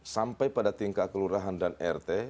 sampai pada tingkat kelurahan dan rt